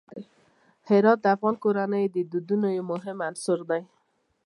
هرات د افغان کورنیو د دودونو مهم عنصر دی.